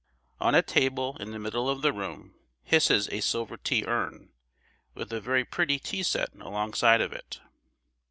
On a table in the middle of the room hisses a silver tea urn, with a very pretty tea set alongside of it.